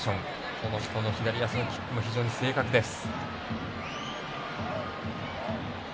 この人の左足のキックも非常に正確です。